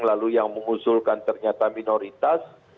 lalu yang mengusulkan ternyata minoritas